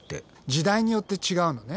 時代によって違うのね。